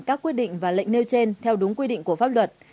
các quyết định và lệnh nêu trên theo đúng quy định của pháp luật